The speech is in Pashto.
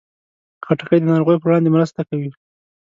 خټکی د ناروغیو پر وړاندې مرسته کوي.